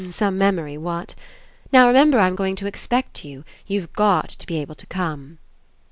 Some memory, what? Now remember, I'm going to expect you. You've got to be able to come."